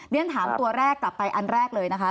เรียนถามตัวแรกกลับไปอันแรกเลยนะคะ